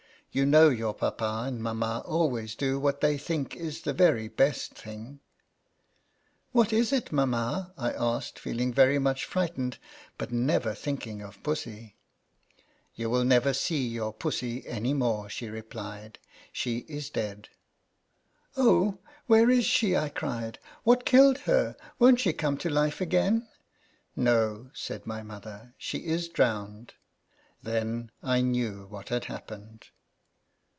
You know your papa and mamma always do what they think is the very best thing." 22 INTRODUCTION. " What is it, mamma ?" I asked, feel ing very much frightened, but never think ing of Pussy. " You will never see your Pussy any more," she replied. " She is dead." " Oh, where is she ?" I cried. " What killed her ? Won't she come to life again ?"" No," said my mother ;" she is drowned." Then I knew what had happened.